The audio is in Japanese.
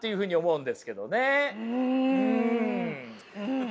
うん。